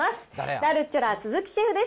ラ・ルッチョラの鈴木シェフです。